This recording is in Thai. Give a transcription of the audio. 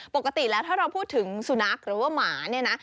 ปกติแล้วถ้าเราพูดถึงสุนัขหรือว่าหมาเนี่ยนะ